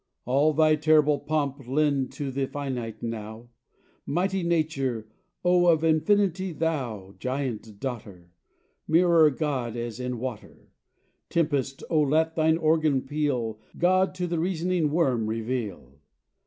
All Thy terrible pomp, lend to the Finite now, Mighty Nature! Oh, of Infinity, thou Giant daughter! Mirror God, as in water! Tempest, oh, let thine organ peal God to the reasoning worm reveal!